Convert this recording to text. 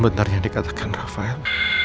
benarnya dikatakan rafael